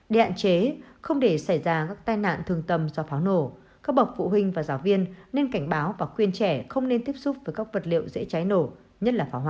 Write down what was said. để hạn chế không để xảy ra các tai nạn thường tầm do pháo nổ các bậc phụ huynh và giáo viên nên cảnh báo và khuyên trẻ không nên tiếp xúc với các vật liệu dễ cháy nổ nhất là pháo hoa